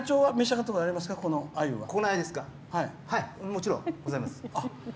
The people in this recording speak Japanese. もちろん、ございます。